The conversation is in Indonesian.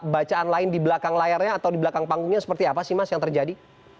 bacaan lain di belakang layarnya atau di belakang panggungnya seperti apa sih mas yang terjadi